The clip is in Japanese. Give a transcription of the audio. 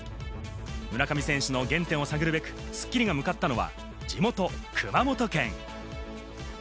村上選手の原点を探るべく『スッキリ』が向かったのは地元・熊本県。